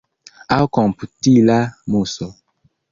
Aŭ komputila muso.